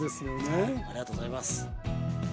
ありがとうございます。